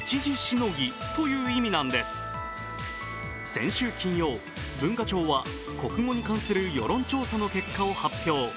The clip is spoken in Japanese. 先週金曜、文化庁は国語に関する世論調査の結果を発表。